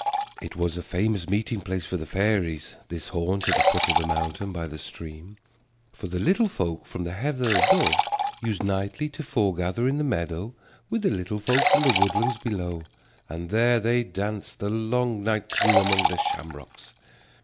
It was a famous meeting place for the fairies, this haunt at the foot of the mountain by the stream, for the Little Folk from the heather above used nightly to foregather in the meadow with the Little Folk from the woodland below, and there they danced the long night through among the shamrocks.